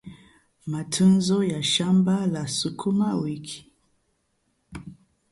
Matunzo ya Shamba la Sukuma Wik